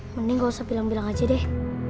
mending gak usah bilang bilang aja deh